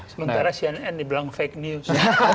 sementara cnn dibilang fake news